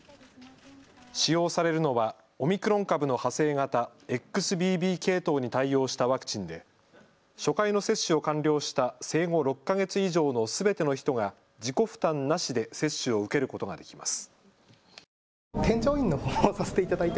使用されるのはオミクロン株の派生型、ＸＢＢ系統に対応したワクチンで初回の接種を完了した生後６か月以上のすべての人が自己負担なしで接種を受けることができます。